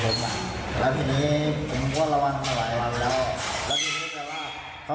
เขากำลังจะทำร้ายให้ผมแบบว่ายื่นอาวุธมา